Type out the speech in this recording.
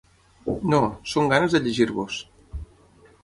No, són ganes de llegir-vos.